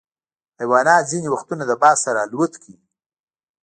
حیوانات ځینې وختونه د باد سره الوت کوي.